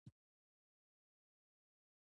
له موقع نه په استفادې مو د ازموینې خبري راپور ولیکه.